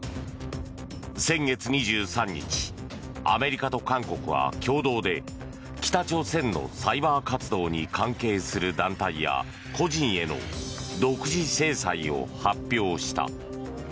先月２３日アメリカと韓国は共同で北朝鮮のサイバー活動に関係する団体や個人への独自制裁を発表した。